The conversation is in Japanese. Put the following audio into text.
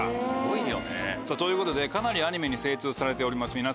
すごいよね。ということでかなりアニメに精通されております